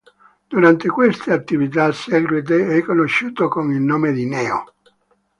Durante queste attività segrete è conosciuto con il nome di Neo.